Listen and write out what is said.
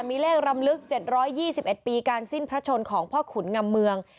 มีเลขรำลึกเจ็ดร้อยยี่สิบเอ็ดปีการสิ้นพระชนของพ่อขุนงำเมือง